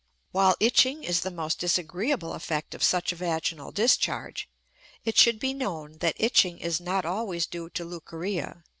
While itching is the most disagreeable effect of such a vaginal discharge, it should be known that itching is not always due to leucorrhea.